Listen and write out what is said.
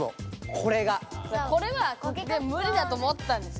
これはでムリだと思ったんです。